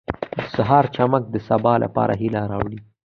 • د سهار چمک د سبا لپاره هیله راوړي.